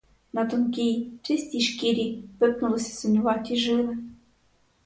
На тонкій, чистій шкірі випнулися синюваті жили.